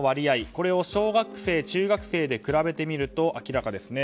これを小学生、中学生で比べてみると明らかですね。